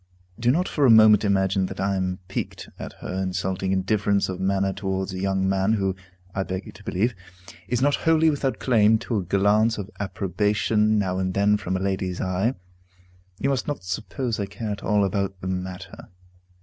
Do not for a moment imagine that I am piqued at her insulting indifference of manner towards a young man who (I beg you to believe) is not wholly without claim to a glance of approbation now and then from a lady's eye. You must not suppose I care at all about the matter.